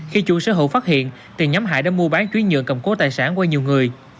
khi chủ sơ hở phát hiện thì nhóm hải đã mua bán chuyên nhượng cầm cố tài sản qua nhiều người